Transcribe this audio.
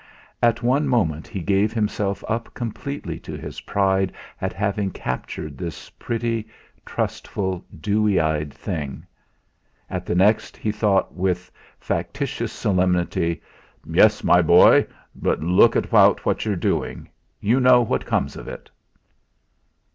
At one moment he gave himself up completely to his pride at having captured this pretty, trustful, dewy eyed thing! At the next he thought with factitious solemnity: 'Yes, my boy! But look out what you're doing! You know what comes of it!'